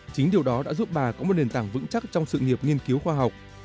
chính điều đó đã giúp bà có một nền tảng vững chắc trong sự nghiệp nghiên cứu khoa học